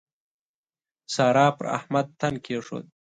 سارا پر احمد تن کېښود.